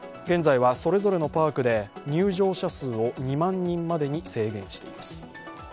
現在はそれぞれのパークで入場者数を２万人までに制限しています。